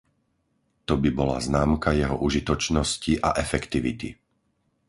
To by bola známka jeho užitočnosti a efektivity.